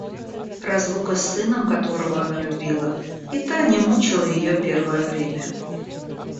Разлука с сыном, которого она любила, и та не мучала ее первое время.